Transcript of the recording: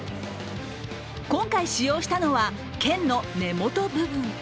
今回使用したのは剣の根元部分。